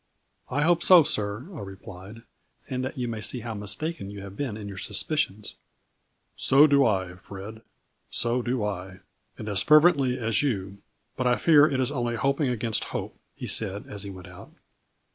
" I hope so, sir," I replied, " and that you may see how mistaken you have been in your suspi cions." " So do I, Fred, so do I, and as fervently as you, but I fear it is only hoping against hope," he said as he went out.